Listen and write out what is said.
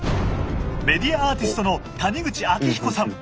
メディアアーティストの谷口暁彦さん。